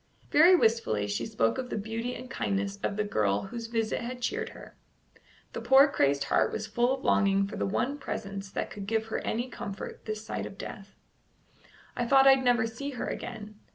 Very wistfully she spoke of the beauty and kindness of the girl whose visit had cheered her. The poor crazed heart was full of longing for the one presence that could give her any comfort this side of death. "I thought I'd never see her again."